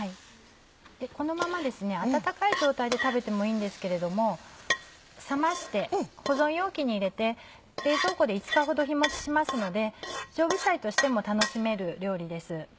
このまま温かい状態で食べてもいいんですけれども冷まして保存容器に入れて冷蔵庫で５日ほど日持ちしますので常備菜としても楽しめる料理です。